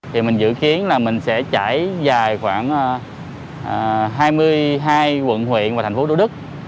thì mình dự kiến là mình sẽ trải dài khoảng hai mươi hai quận huyện và thành phố thủ đức